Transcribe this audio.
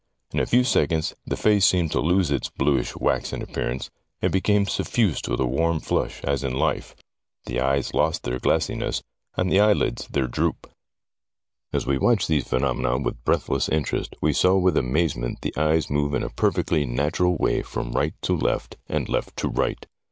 In a few seconds the face seemed to lose its bluish, waxen appearance, and become suffused with a warm flush as in life ; the eyes lost their glassiness, and the eyelids their droop. As we watched these phenomena with breathless interest we saw with amazement the eyes move in a perfectly natural way from right to left and left to right.